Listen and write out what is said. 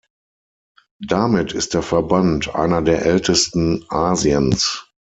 Damit ist der Verband einer der ältesten Asiens.